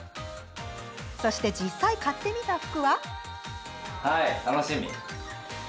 そして実際買ってみた服は。